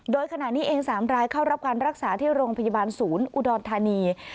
โดยขณะนี้เอง๓รายเข้ารับการรักษาที่โรงพยาบาลศูนย์อุดรธานี